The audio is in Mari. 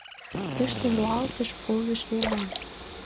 — Тыште руалтыш-полдыш лийман...